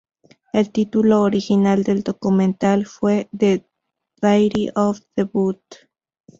El título original del documental fue "The Dairy of The Butt".